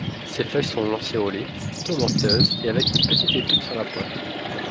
Ses feuilles sont lancéolées, tomenteuses et avec une petite épine sur la pointe.